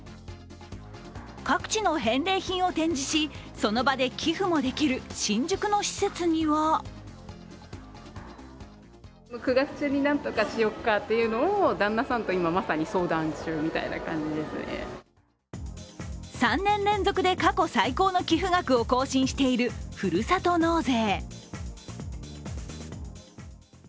各地の返礼品を展示しその場で寄付もできる新宿の施設には３年連続で過去最高の寄付額を更新しているふるさと納税。